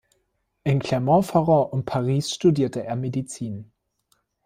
In Clermont-Ferrand und Paris studierte er Medizin.